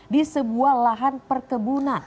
di sebuah lahan perkebunan